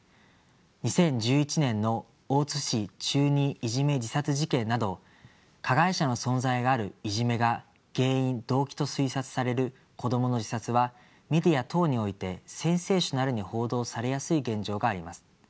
２０１１年の大津市中２いじめ自殺事件など加害者の存在があるいじめが原因・動機と推察される子どもの自殺はメディア等においてセンセーショナルに報道されやすい現状があります。